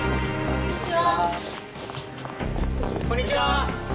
こんにちは。